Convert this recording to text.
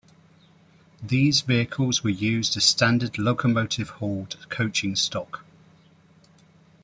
These vehicles were used as standard locomotive-hauled coaching stock.